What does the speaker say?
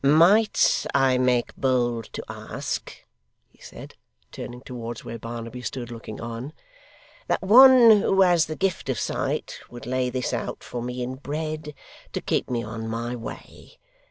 'Might I make bold to ask,' he said, turning towards where Barnaby stood looking on, 'that one who has the gift of sight, would lay this out for me in bread to keep me on my way?